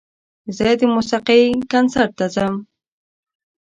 زه د موسیقۍ کنسرت ته ځم.